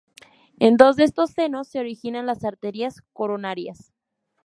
En dos de estos senos se originan las "arterias coronarias".